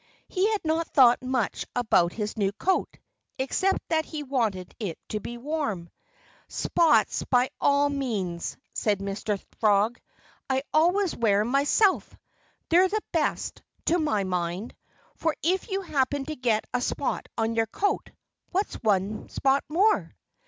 He had not thought much about his new coat except that he wanted it to be warm. "Spots, by all means!" said Mr. Frog. "I always wear 'em myself. They're the best, to my mind. For if you happen to get a spot on your coat, what's one spot more?"